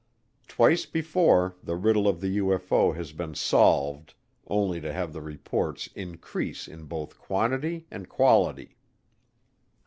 Twice before the riddle of the UFO has been "solved," only to have the reports increase in both quantity and quality.